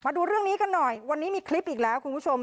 ดูเรื่องนี้กันหน่อยวันนี้มีคลิปอีกแล้วคุณผู้ชม